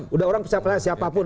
sudah orang bisa kenal siapapun